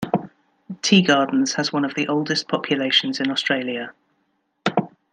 Tea Gardens has one of the oldest populations in Australia.